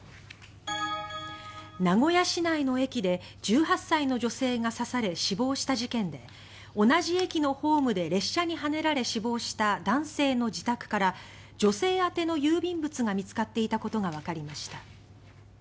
名古屋市内の駅で１８歳の女性が刺され死亡した事件で同じ駅のホームで列車にはねられ死亡した男性の自宅から女性宛ての郵便物が見つかっていたことがわかりました。